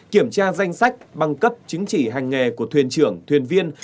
kiểm tra danh sách băng cấp chính trị hành nghề của thuyền trưởng thuyền viên